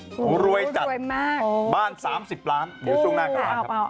โอ้โหรวยจัดบ้าน๓๐ล้านอยู่ช่วงหน้ากรรมครับอ้าว